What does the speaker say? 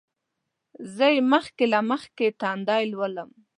زه یې مخکې له مخکې تندی لولم.